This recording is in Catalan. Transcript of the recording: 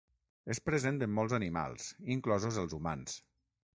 És present en molts animals inclosos els humans.